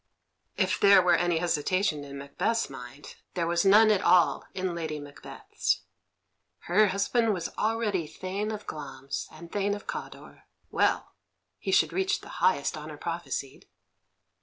If there were any hesitation in Macbeth's mind, there was none at all in Lady Macbeth's. Her husband was already Thane of Glamis and Thane of Cawdor; well, he should reach the highest honour prophesied.